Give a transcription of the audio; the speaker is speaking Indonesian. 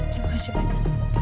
terima kasih banyak